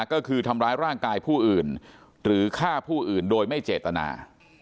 ก็คือทำร้ายร่างกายผู้อื่นหรือฆ่าผู้อื่นโดยไม่เจตนา